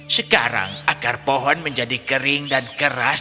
sekarang akar pohon menjadi kering dan keras